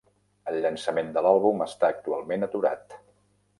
El llançament de l'àlbum està actualment aturat.